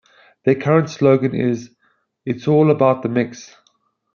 Their current slogan is "It's all about the mix".